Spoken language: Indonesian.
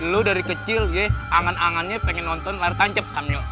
lo dari kecil ya angan angannya pengen nonton ler tancep samyo